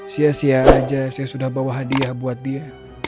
sia sia aja saya sudah bawa hadiah buat dia